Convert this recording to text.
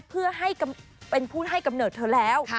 เป็นผู้ให้กำเหนอร์เทอะแล้ว